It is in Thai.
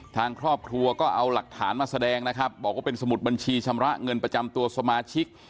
ทางครอบครัวก็เอาหลักฐานมาแสดงนะครับบอกว่าเป็นสมุดบัญชีชำระเงินประจำตัวสมาชิก